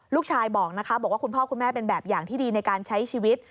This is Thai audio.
ลูกชายบอกนะคะบอกว่าคุณพ่อคุณแม่เป็นแบบอย่างที่ดีในการใช้ชีวิต